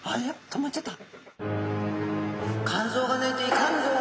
止まっちゃった。